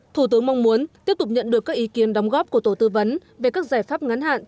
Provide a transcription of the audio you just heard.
thủ tướng mong muốn tiếp tục nhận được các ý kiến đóng góp của tổ tư vấn về các giải pháp ngắn hạn